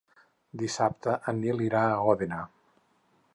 Dissabte en Nil irà a Òdena.